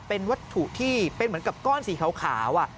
เป็นวัตถุที่เป็นเหมือนกับก้อนสีขาว